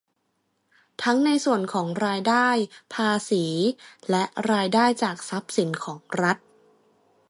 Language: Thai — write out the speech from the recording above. ทั้งในส่วนของรายได้ภาษีและรายได้จากทรัพย์สินของรัฐ